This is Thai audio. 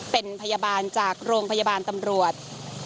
เป็นพยาบาลจากโรงพยาบาลตำรวจ